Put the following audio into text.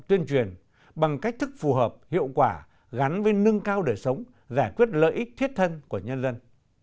tuyên truyền bằng cách thức phù hợp hiệu quả gắn với nâng cao đời sống giải quyết lợi ích thiết thân của nhân dân